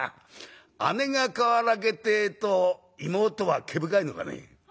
姉がかわらけってえと妹は毛深いのかね」。